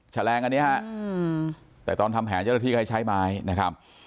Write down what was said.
แลงอันนี้ฮะแต่ตอนทำแผนเจ้าหน้าที่ก็ให้ใช้ไม้นะครับ